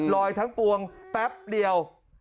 ทั้งปวงแป๊บเดียว